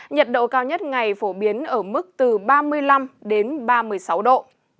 nhiệt độ cao nhất ngày phổ biến ở mức từ ba mươi năm đến ba mươi sáu độ